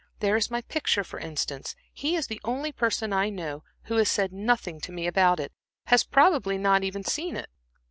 There is my picture, for instance. He is the only person I know who has said nothing to me about it, has probably not even seen it."